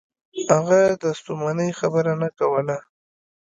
هغه د ستومنۍ خبره نه کوله.